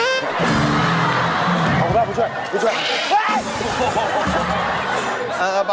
คุณตั้งโทรเออบอล